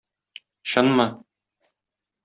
Чынмы?